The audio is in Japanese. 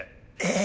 え！